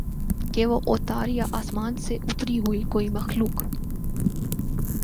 کہ وہ اوتار یا آسمان سے اتری ہوئی کوئی مخلوق